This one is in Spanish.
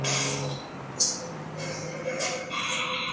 La plaza es conocida internacionalmente por los Sanfermines.